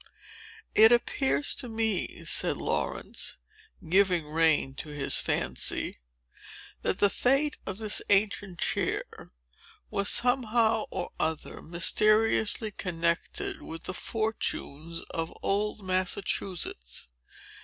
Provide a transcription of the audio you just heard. "It appears to me," said Laurence, giving the rein to his fancy, "that the fate of this ancient chair was, somehow or other, mysteriously connected with the fortunes of old Massachusetts.